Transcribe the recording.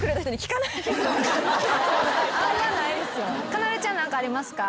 かなでちゃん何かありますか？